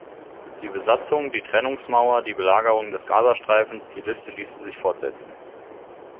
Die Besatzung, die Trennungsmauer, die Belagerung des Gazastreifens die Liste ließe sich fortsetzen.